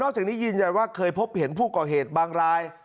จากนี้ยืนยันว่าเคยพบเห็นผู้ก่อเหตุบางราย